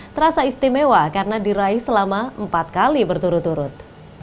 terasa istimewa karena diraih selama empat kali berturut turut